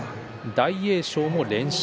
大栄翔も連勝。